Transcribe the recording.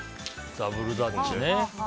ダブルダッチね。